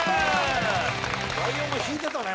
ライオンも引いてたね。